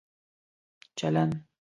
چلند